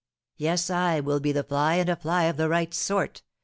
"Yes, I will be the fly, and a fly of the right sort!"